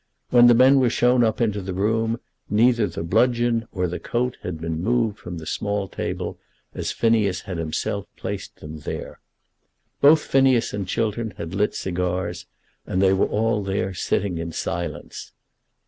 When the men were shown up into the room neither the bludgeon or the coat had been moved from the small table as Phineas had himself placed them there. Both Phineas and Chiltern had lit cigars, and they were all there sitting in silence.